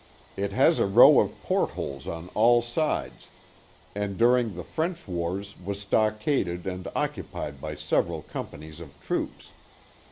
It has a row of port holes on all sides, and during the French wars was stockaded and occupied by several companies of troops.